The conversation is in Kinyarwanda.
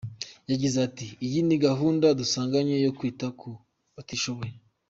Yagize “Iyi ni gahunda dusanganywe yo kwita ku batishoboye.